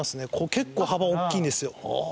結構幅おっきいんですよ。